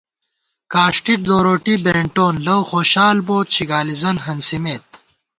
کاݭٹی دوروٹِی بېنٹون لَؤخوشال بوت شِگالی زن ہنسِمېت